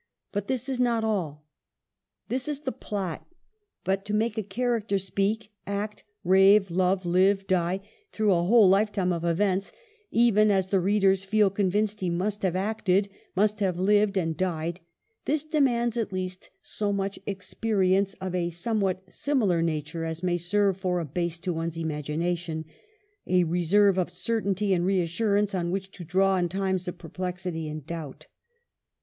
But this is not all. This is the plot ; but to make a character speak, act, rave, love, live, die, through a whole lifetime of events, even as the readers feel con vinced he must have acted, must have lived and died, this demands at least so much experience of a somewhat similar nature as may serve for a base to one's imagination, a reserve of certainty and reassurance on which to draw in times of perplexity and doubt.